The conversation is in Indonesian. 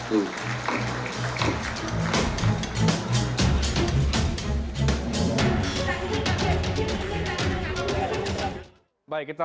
tetapi sebagai peneliti pcm